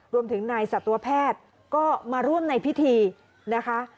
รวมถึงนายสัตวแพทย์ก็มาร่วมในพิธีนะคะ